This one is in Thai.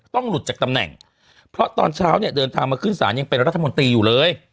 หลุดจากตำแหน่งเพราะตอนเช้าเนี่ยเดินทางมาขึ้นศาลยังเป็นรัฐมนตรีอยู่เลย